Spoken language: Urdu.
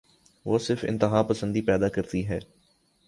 وہ صرف انتہا پسندی پیدا کرتی ہے۔